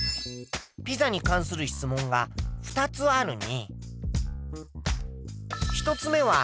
ピザに関する質問が２つあるね。